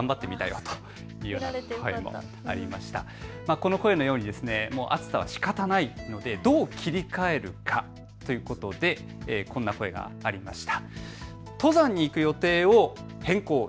この声のように暑さはしかたないのでどう切り替えるかということでこんな声がありました。